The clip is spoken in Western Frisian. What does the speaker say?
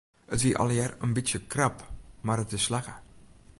It wie allegear in bytsje krap mar it is slagge.